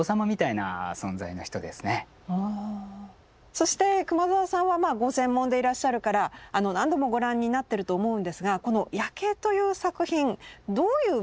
そして熊澤さんはご専門でいらっしゃるから何度もご覧になってると思うんですがこの「夜警」という作品どういうもの。